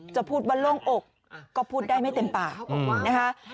จะพูดว่าโล่งอกก็พูดได้ไม่เต็มปากนะคะ